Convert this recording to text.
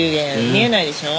見えないでしょ？